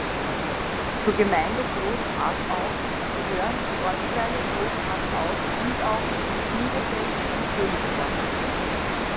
Zur Gemeinde Großharthau gehören die Ortsteile Großharthau, Bühlau, Schmiedefeld und Seeligstadt.